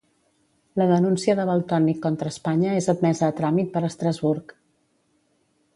La denúncia de Valtònyc contra Espanya és admesa a tràmit per Estrasburg.